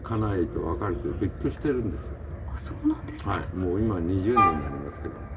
もう今２０年になりますけど。